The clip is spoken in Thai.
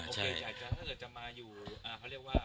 จะมาอยู่ที่วัดไม่ได้